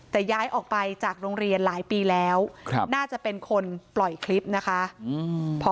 แต่ย้ายออกไปจากโรงเรียนหลายปีแล้วน่าจะเป็นคนปล่อยคลิปนะคะ